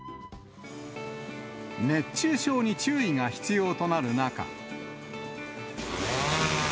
熱中症に注意が必要となる中。